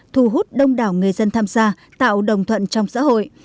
thu hút đông đảo người dân tham gia tạo đồng thuận trong xã hội